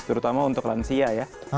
terutama untuk lansia ya